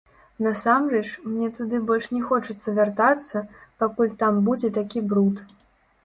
Насамрэч, мне туды больш не хочацца вяртацца, пакуль там будзе такі бруд.